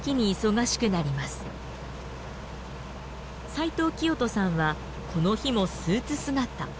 斎藤聖人さんはこの日もスーツ姿。